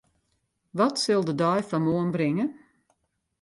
Wat sil de dei fan moarn bringe?